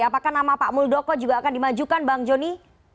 apakah nama pak muldoko juga akan dimajukan bang joni